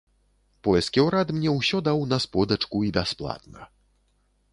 Польскі ўрад мне ўсё даў на сподачку і бясплатна.